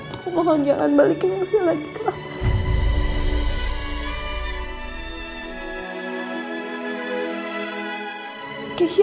aku mohon jangan balikin elsa lagi kelapas